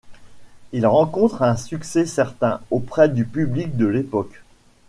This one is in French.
Il rencontre un succès certain auprès du public de l'époque.